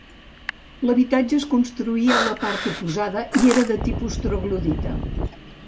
L'habitatge es construïa a la part oposada i era de tipus troglodita.